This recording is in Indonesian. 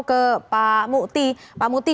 ke pak mukti pak muti